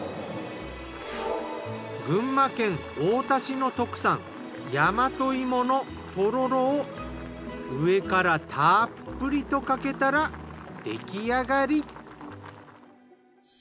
群馬県太田市の特産大和芋のとろろを上からたっぷりとかけたら出来上がり。